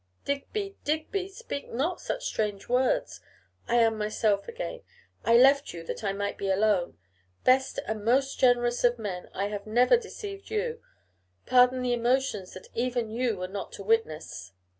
'Digby, Digby, speak not such strange words. I am myself again. I left you that I might be alone. Best and most generous of men, I have never deceived you; pardon the emotions that even you were not to witness.